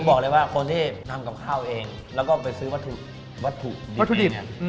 บอกเลยว่าคนที่ทำกับข้าวเองแล้วก็ไปซื้อวัตถุวัตถุดิบเนี่ย